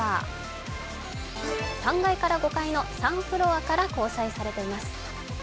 ３階から５階の３フロアから構成されています。